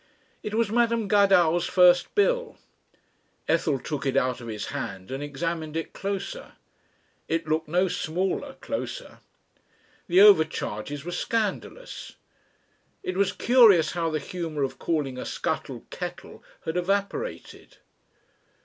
It was Madam Gadow's first bill. Ethel took it out of his hand and examined it closer. It looked no smaller closer. The overcharges were scandalous. It was curious how the humour of calling a scuttle "kettle" had evaporated.